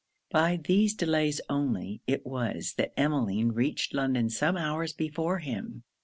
By these delays only it was that Emmeline reached London some hours before him.